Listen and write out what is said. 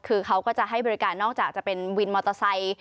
คือเขาก็จะให้บริการนอกจากจะเป็นวินมอเตอร์ไซค์